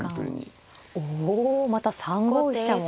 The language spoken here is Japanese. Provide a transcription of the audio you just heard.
おまた３五飛車も。